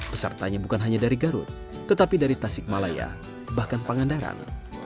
pesertanya bukan hanya dari garut tetapi dari tasik malaya bahkan pangandaran